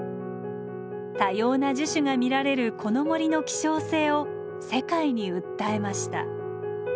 多様な樹種が見られるこの森の希少性を世界に訴えました。